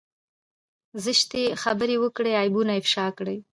زشتې خبرې وکړي عيبونه افشا کړي.